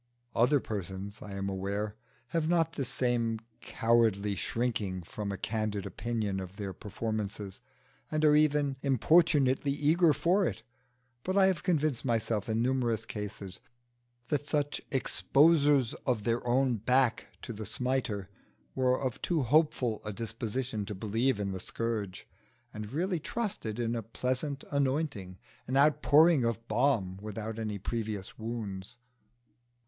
Other persons, I am aware, have not the same cowardly shrinking from a candid opinion of their performances, and are even importunately eager for it; but I have convinced myself in numerous cases that such exposers of their own back to the smiter were of too hopeful a disposition to believe in the scourge, and really trusted in a pleasant anointing, an outpouring of balm without any previous wounds.